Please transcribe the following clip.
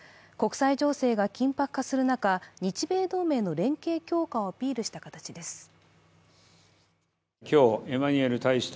国際情勢が緊迫化する中、日米同盟の連携強化をアピールした形です。